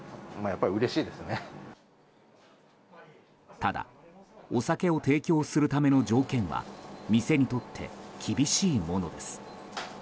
ただお酒を提供するための条件は店にとって厳しいものです。